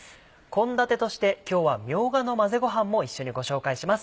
献立として今日は「みょうがの混ぜごはん」も一緒にご紹介します。